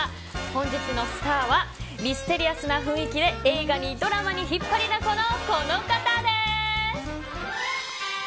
本日のスターはミステリアスな雰囲気で映画にドラマに引っ張りだこのこの方です。